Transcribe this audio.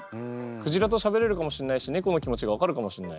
クジラとしゃべれるかもしんないし猫の気持ちが分かるかもしんない。